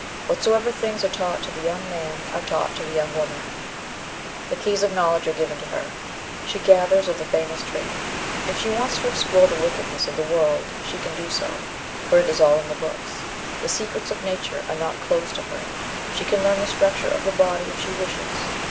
Whatsoever things are taught to the young man are taught to the young woman; the keys of knowledge are given to her; she gathers of the famous tree; if she wants to explore the wickedness of the world she can do so, for it is all in the books. The secrets of nature are not closed to her; she can learn the structure of the body if she wishes.